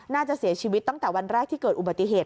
น่าจะเสียชีวิตตั้งแต่วันแรกที่เกิดอุบัติเหตุ